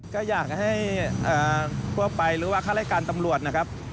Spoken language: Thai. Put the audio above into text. ก็อยากให้ทั่วไปหรือว่าข้ารายการตำรวจนะครับ